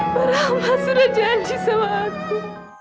barangkali mas sudah janji sama aku